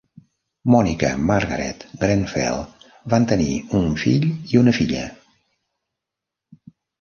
Monica Margaret Grenfell; van tenir un fill i una filla.